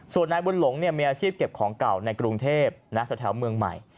ส่วนนายบุญหลงมีอาชีพเก็บของเก่าในกรุงเทพแถวเมืองใหม่